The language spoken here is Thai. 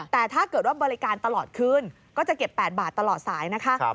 แต่ถ้าเกิดว่าบริการตลอดคืนก็จะเก็บ๘บาทตลอดสายนะคะ